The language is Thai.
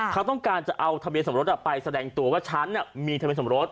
เขาต้องการจะเอาทะเบียนสมรสไปแสดงตัวว่าฉันมีทะเบียนสมรส